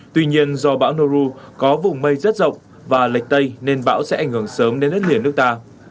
tuy nhiên do bão noru có vùng mây rất rộng và lệch tây nên bão sẽ ảnh hưởng sớm đến đất liền nước ta